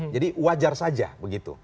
jadi wajar saja begitu